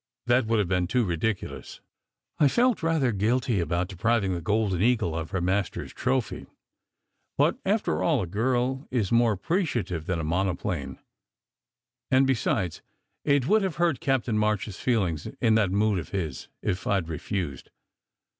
That would have been too ridiculous ! I felt rather guilty about depriving the Golden Eagle of her master s trophy, but after all, a girl is more appreci 26 SECRET HISTORY ative than a monoplane; and besides, it would have hurt Captain March s feelings in that mood of his, if I d refused.